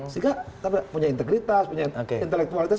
sehingga punya integritas punya intelektualitas